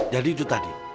jadi itu tadi